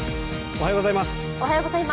おはようございます。